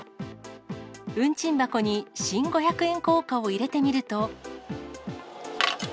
運賃箱に新五百円硬貨を入れてみると。